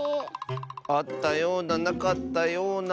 あったようななかったような。